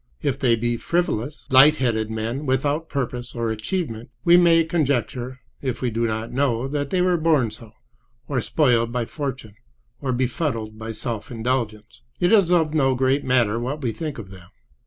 If they be frivolous, light headed men without purpose or achievement, we may conjecture, if we do not know, that they were born so, or spoiled by fortune, or befuddled by self indulgence. It is no great matter what we think of them.